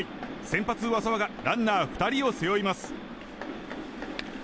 先発、上沢がランナー２人を背負います。